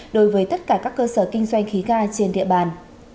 đối với tất cả các cơ sở kinh doanh khí ga trên địa bàn